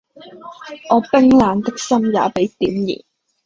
我冰冷的心也被點燃